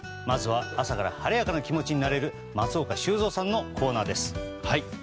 まずは朝から晴れやかな気持ちになれる松岡修造さんのコーナーです。